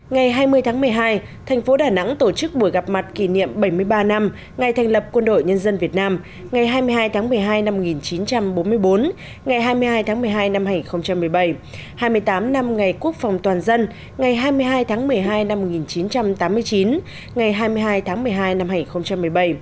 ngày hai mươi tháng một mươi hai thành phố đà nẵng tổ chức buổi gặp mặt kỷ niệm bảy mươi ba năm ngày thành lập quân đội nhân dân việt nam ngày hai mươi hai tháng một mươi hai năm một nghìn chín trăm bốn mươi bốn ngày hai mươi hai tháng một mươi hai năm hai nghìn một mươi bảy hai mươi tám năm ngày quốc phòng toàn dân ngày hai mươi hai tháng một mươi hai năm một nghìn chín trăm tám mươi chín ngày hai mươi hai tháng một mươi hai năm hai nghìn một mươi bảy